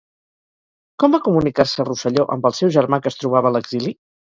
Com va comunicar-se Rosselló amb el seu germà que es trobava a l'exili?